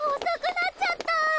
遅くなっちゃった。